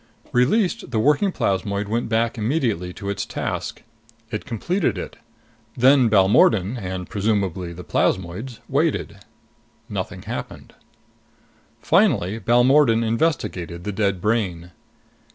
Released, the working plasmoid went back immediately to its task. It completed it. Then Balmordan and, presumably, the plasmoids waited. Nothing happened. Finally, Balmordan investigated the dead brain.